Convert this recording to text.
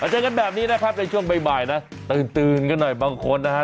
เจอกันแบบนี้นะครับในช่วงบ่ายนะตื่นกันหน่อยบางคนนะฮะ